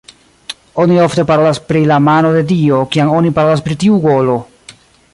Oni ofte parolas pri "la mano de dio" kiam oni parolas pri tiu golo.